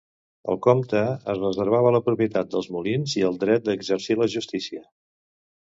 El comte es reservava la propietat dels molins i el dret d'exercir la justícia.